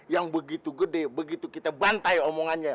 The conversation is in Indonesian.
yang begitu gede begitu kita bantai omongannya